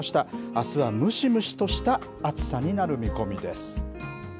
あすはムシムシとした暑さになる見込みです。